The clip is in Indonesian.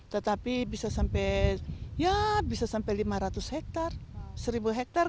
tetapi bisa sampai lima ratus hektare seribu hektare